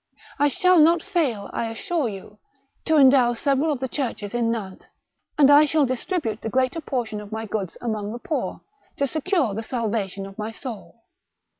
I shall not fail, I assure you, to endow several of the churches in Nantes, and I shall distribute the greater portion of my goods among the poor, to secure the salvation of my soul."